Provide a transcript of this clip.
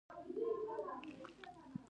درس هر وخت نه ویل کیږي.